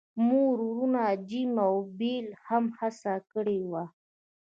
مور وروڼو جیم او بیل هم هڅه کړې وه